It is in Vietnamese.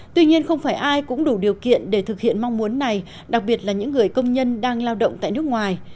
tuy nhiên không phải ai cũng đủ điều kiện để thực hiện mong muốn này đặc biệt là những người công nhân đang lao động tại nước ngoài